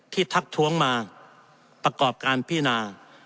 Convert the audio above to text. ทักท้วงมาประกอบการพินา